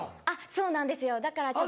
そうなんですよだからちょっと。